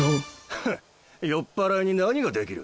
ハッ酔っぱらいに何ができる？